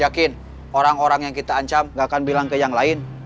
yakin orang orang yang kita ancam gak akan bilang ke yang lain